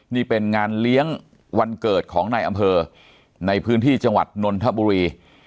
นี่เป็นงานเลี้ยงวันเกิดของนายอำเภอในพื้นที่จังหวัดนนทบุรี